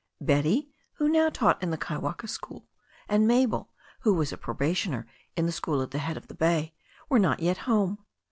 Betty, who now taught in the Kaiwaka school, and Mabel, who was a pro bationer in the school at the head of the bay, were not yet home.